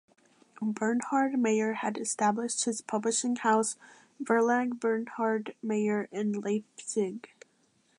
Bernhard Meyer had established his publishing house "Verlag Bernhard Meyer" in Leipzig.